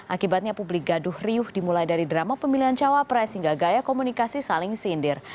akibatnya publik gaduh riuh dimulai dari drama pemilihan cawapres hingga gaya komunikasi saling sindir